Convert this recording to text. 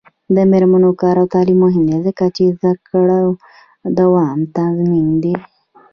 د میرمنو کار او تعلیم مهم دی ځکه چې زدکړو دوام تضمین دی.